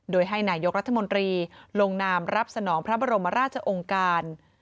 โดยให้นายกรัฐมนตรีลงนามรับสนองพระบรมราชองค์การ